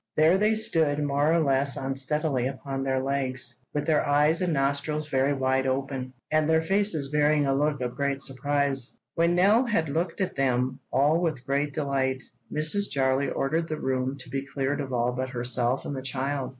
There they stood more or less unsteadily upon their legs, with their eyes and nostrils very wide open, and their faces bearing a look of great surprise. When Nell had looked at them all with great delight, Mrs. Jarley ordered the room to be cleared of all but herself and the child.